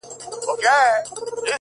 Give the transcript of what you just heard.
• هسي نه چي دي د ژوند وروستی سفر سي ,